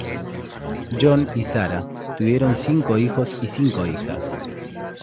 John y Sarah tuvieron cinco hijos y cinco hijas.